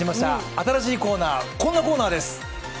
新しいコーナー、こんなコーナーです。